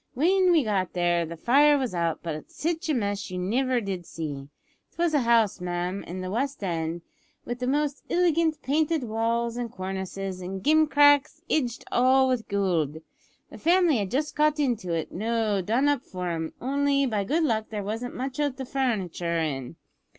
W'en we got there the fire was out, but sitch a mess you niver did see. It was a house, ma'am, in the West End, with the most illigant painted walls and cornices and gimcracks, idged all with goold. The family had just got into it noo done up for 'em, only, by good luck, there wasn't much o' the furnitur' in.